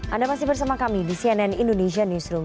anda masih bersama kami di cnn indonesia newsroom